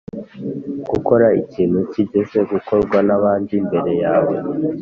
gukora ikintu cyigeze gukorwa n’abandi mbere yawe,